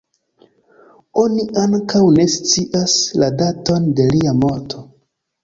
Oni ankaŭ ne scias la daton de lia morto.